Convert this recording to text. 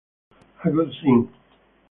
A Good Thing